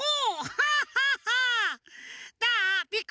ハハハ！